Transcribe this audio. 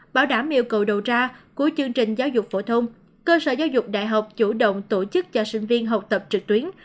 bảo đảm yêu cầu đầu ra của chương trình giáo dục phổ thông cơ sở giáo dục đại học chủ động tổ chức cho sinh viên học tập trực tuyến